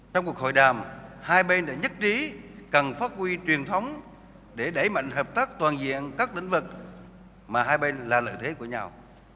trong cuộc hội đàm hai bên đã nhất trí cần phát huy truyền thống để đẩy mạnh hợp tác toàn diện các lĩnh vực mà hai bên là lợi thế của nhau